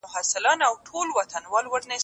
غوښه په لویو لوښو کې په ډېر هنر سره ترتیب شوې وه.